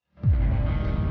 tak ada masalah